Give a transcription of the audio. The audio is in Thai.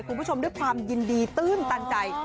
คุณผู้ชมด้วยความยินดีตื้นตันใจ